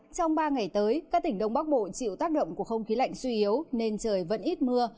trong ba ngày tới các tỉnh đông bắc bộ chịu tác động của không khí lạnh suy yếu nên trời vẫn ít mưa